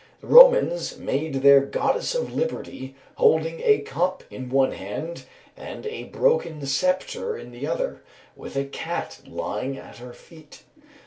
The Romans made their goddess of Liberty holding a cup in one hand and a broken sceptre in the other, with a cat lying at her feet.